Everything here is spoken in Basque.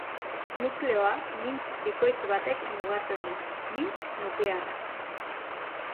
Nukleoa, mintz bikoitz batek mugatzen du: mintz nuklearra.